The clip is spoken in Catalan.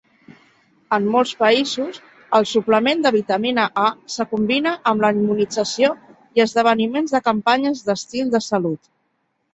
En molts països, el suplement de vitamina A se combina amb la immunització i esdeveniments de campanyes d'estil de salut.